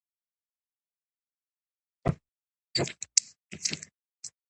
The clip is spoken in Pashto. بښنه کول زړه ته سکون ورکوي.